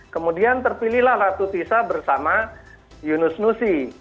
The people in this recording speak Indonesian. kemudian terpilihlah ratutisya bersama yunus nusi